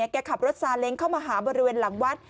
แกขับรถซาเล้งเข้ามาหาบริเวณหลังวัด